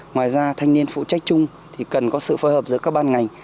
ngoài ra thanh niên phụ trách chung thì cần có sự phối hợp giữa các ban ngành